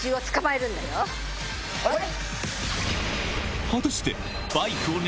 はい！